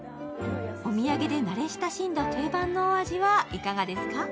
お土産で慣れ親しんだ定番のお味はどうですか？